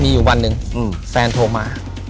มีอยู่วันหนึ่งแฟนโทรมา